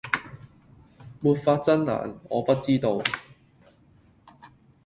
沒法睜眼，我不知道。